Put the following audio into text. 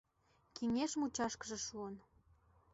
Кеҥеж мучашкыже шуын.